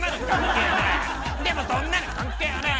でもそんなの関係ねえ！